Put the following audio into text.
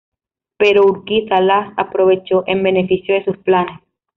Pero Urquiza las aprovechó en beneficio de sus planes.